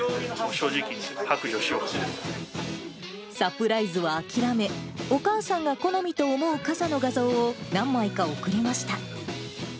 正直に白状しよサプライズは諦め、お母さんが好みと思う傘の画像を何枚か送りました。